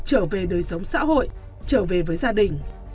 trở về đời sống xã hội trở về với gia đình